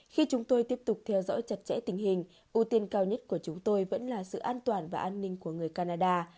khi chúng tôi tiếp tục theo dõi chặt chẽ tình hình ưu tiên cao nhất của chúng tôi vẫn là sự an toàn và an ninh của người canada